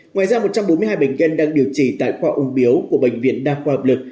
ngoài ra một trăm bốn mươi hai bệnh nhân đang điều trị tại khoa ung biếu của bệnh viện đa khoa hợp lực